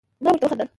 ما ورته وخندل ،